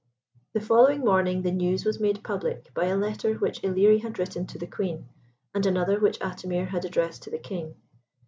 The following morning the news was made public, by a letter which Ilerie had written to the Queen, and another which Atimir had addressed to the King.